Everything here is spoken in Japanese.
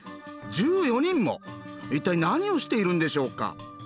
一体何をしているんでしょうか？